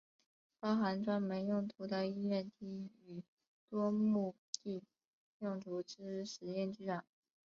包含专门用途的音乐厅与多目的用途之实验剧场。